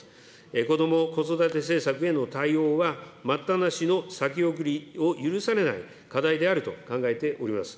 こども・子育て政策への対応は、待ったなしの、先送りを許されない課題であると考えております。